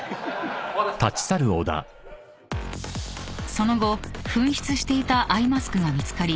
［その後紛失していたアイマスクが見つかり］